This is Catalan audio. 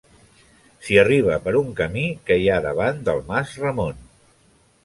S'hi arriba per un camí que hi ha davant del Mas Ramon.